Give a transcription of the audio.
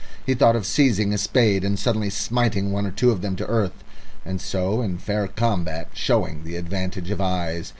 He thought of seizing a spade and suddenly smiting one or two of them to earth, and so in fair combat showing the advantage of eyes.